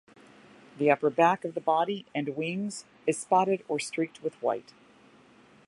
The upper back of the body and wings is spotted or streaked with white.